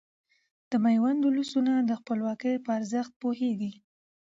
د ميوند ولسونه د خپلواکۍ په ارزښت پوهيږي .